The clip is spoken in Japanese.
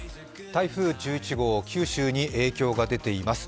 台風１１号、九州に影響が出ています。